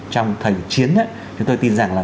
trong thời chiến thì tôi tin rằng là